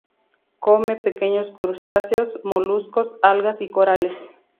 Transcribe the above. Come pequeños crustáceos, moluscos, algas y corales.